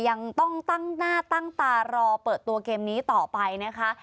ยังต้องตั้งหน้าตั้งตารอเปิดตัวเกมนี้ต่อไปนะคะ